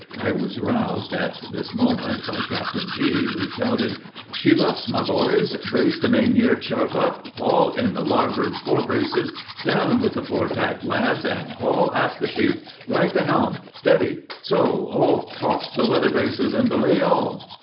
I was roused, at this moment, by Captain G., who shouted, "She luffs, my boys! brace the main yard sharp up haul in the larboard fore braces down with the fore tack, lads, and haul aft the sheet; right the helm! steady, so haul taut the weather braces, and belay all."